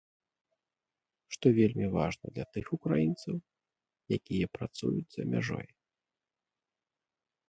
Што вельмі важна для тых украінцаў, якія працуюць за мяжой.